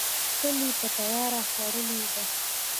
تل یې په تیاره خوړلې ده.